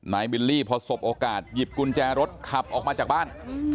บิลลี่พอสบโอกาสหยิบกุญแจรถขับออกมาจากบ้าน